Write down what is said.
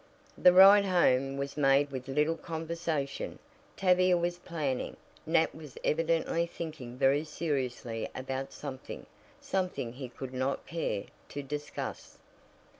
The ride home was made with little conversation. Tavia was planning; Nat was evidently thinking very seriously about something something he could not care to discuss.